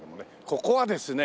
ここはですね